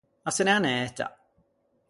A se n’é anæta.